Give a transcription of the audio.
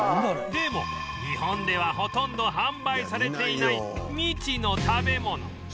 でも日本ではほとんど販売されていない未知の食べ物